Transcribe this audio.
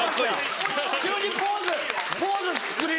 急にポーズ！